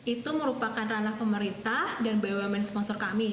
itu merupakan ranah pemerintah dan bumn sponsor kami